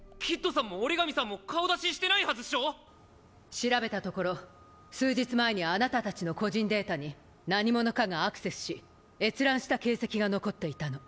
⁉調べたところ数日前にあなたたちの個人データに何者かがアクセスし閲覧した形跡が残っていたの。